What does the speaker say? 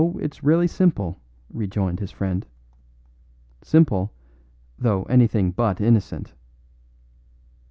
"Oh, it's really simple," rejoined his friend. "Simple, though anything but innocent.